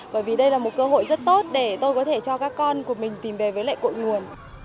bởi vì đây là một cơ hội rất tốt để tôi có thể cho các con của mình tìm về với lại cội nguồn